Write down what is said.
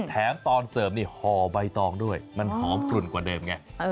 แถมตอนเสิร์ฟนี่ห่อใบตองด้วยมันหอมกลุ่นกว่าเดิมไง